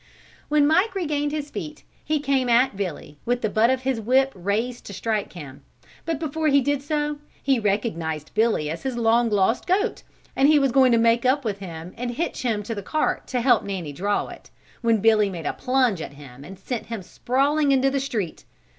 When Mike regained his feet he came at Billy with the butt of his whip raised to strike him, but before he did so, he recognized Billy as his long lost goat, and was going to make up with him and hitch him to the cart to help Nanny draw it, when Billy made a plunge at him and sent him sprawling into the street.